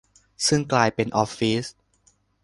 ซึ่งกลายเป็นออฟฟิศ ?